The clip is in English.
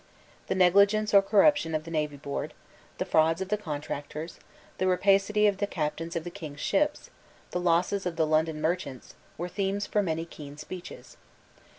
The negligence or corruption of the Navy Board, the frauds of the contractors, the rapacity of the captains of the King's ships, the losses of the London merchants, were themes for many keen speeches.